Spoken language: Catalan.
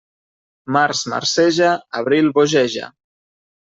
Març marceja, abril bogeja.